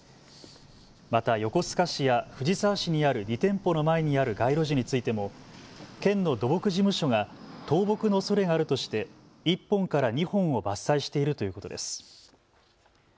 また横須賀市や藤沢市にある２店舗の前にある街路樹についても県の土木事務所が倒木のおそれがあるとして１本から２本を伐採しているということです。